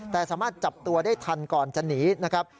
แต่สามารถจับตัวได้ทันก่อนจะหนีนะครับ